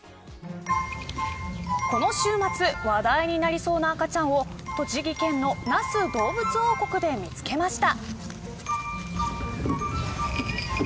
この週末話題になりそうな赤ちゃんを栃木県の那須どうぶつ王国で見つけました。